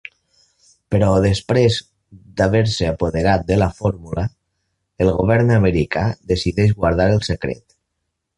Però després d'haver-se apoderat de la fórmula, el govern americà decideix guardar el secret.